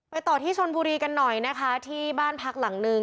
ต่อที่ชนบุรีกันหน่อยนะคะที่บ้านพักหลังนึง